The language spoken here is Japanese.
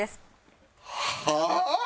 はあ？